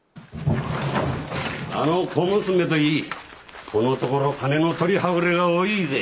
あの小娘といいこのところ金の取りはぐれが多いぜ。